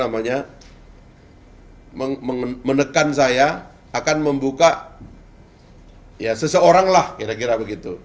menekan saya akan membuka seseorang lah kira kira begitu